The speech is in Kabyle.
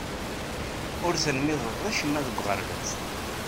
Ur telmideḍ acemma deg uɣerbaz.